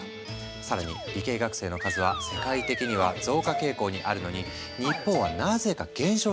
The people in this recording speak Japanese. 更に理系学生の数は世界的には増加傾向にあるのに日本はなぜか減少しているんだ！